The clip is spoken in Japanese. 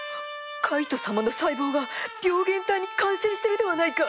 カイト様の細胞が病原体に感染してるではないか！